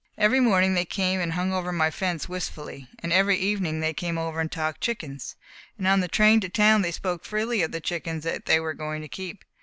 Every morning they came and hung over my fence wistfully, and every evening they came over and talked chickens, and on the train to town they spoke freely of the chickens they were going to keep.